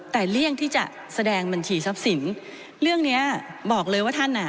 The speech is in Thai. แต่เลี่ยงที่จะแสดงบัญชีทรัพย์สินเรื่องเนี้ยบอกเลยว่าท่านอ่ะ